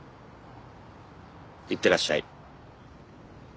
いってらっしゃい。